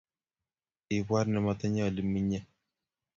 ibwat ne matinye ole menyei